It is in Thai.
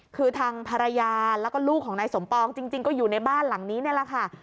คือทางภรรยาแล้วก็ลูกของนายสมปองจริงก็อยู่ในบ้านหลังนี้นี่แหละค่ะ